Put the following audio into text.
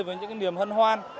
với những niềm hân hoan